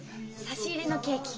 差し入れのケーキ。